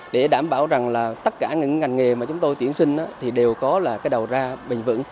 để đảm bảo rằng tất cả những ngành nghề mà chúng tôi tuyển sinh đều có đầu ra bình vững